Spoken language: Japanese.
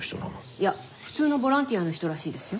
いや普通のボランティアの人らしいですよ。